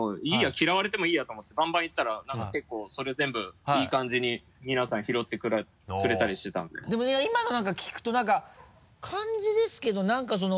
嫌われてもいいやと思ってバンバン行ったら何か結構それ全部いい感じに皆さん拾ってくれたりしてたんででも今の聞くと何か感じですけど何かその。